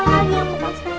siapa lagi yang kemasin